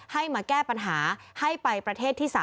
ให้มาแก้ปัญหาให้ไปประเทศที่๓